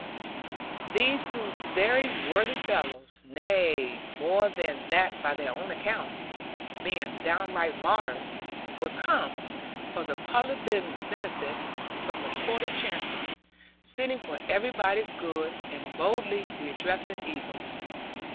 These two very worthy fellows nay, more than that by their own account, being downright martyrs were come, for the public benefit, from the Court of Chancery, sitting for everybody's good, and boldly redressing evil.